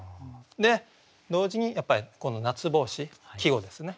で同時にやっぱりこの「夏帽子」季語ですね